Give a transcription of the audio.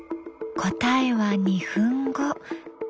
答えは２分後。